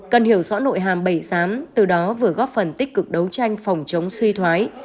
cần hiểu rõ nội hàm bầy giám từ đó vừa góp phần tích cực đấu tranh phòng chống suy thoái